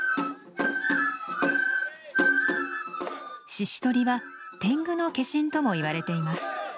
獅子とりは天狗の化身ともいわれています。